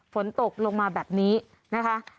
ฝนตกลงมาแบบนี้นะคะ